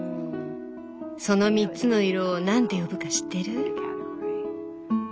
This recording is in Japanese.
その３つの色をなんて呼ぶか知ってる？